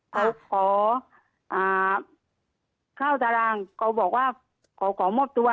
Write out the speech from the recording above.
เขาขอเข้าตารางขอมอบตัว